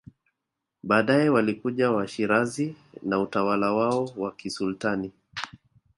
Baadae walikuja Washirazi na utawala wao wa kisultani